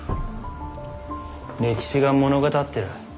歴史が物語ってる。